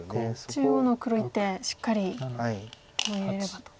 中央の黒１手しっかり入れればと。